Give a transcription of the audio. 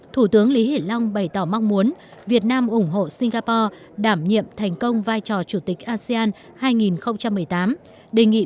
thủ tướng lý hiển long bày tỏ mong muốn việt nam ủng hộ singapore đảm nhiệm thành công vai trò chủ tịch asean hai nghìn một mươi tám đề nghị